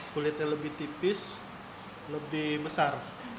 kulitnya lebih tipis lebih besar